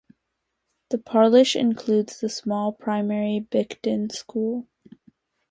The parish includes the small primary Bicton school.